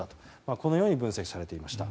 このように分析されていました。